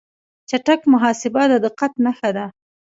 چټک محاسبه د دقت نښه ده.